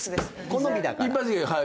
好みだから。